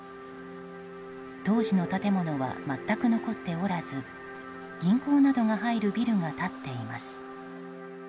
当時の建物は全く残っておらず銀行などが入るビルが立っています。